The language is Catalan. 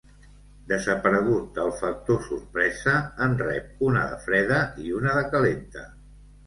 Desaparegut el factor sorpresa, en rep una de freda i una de calenta.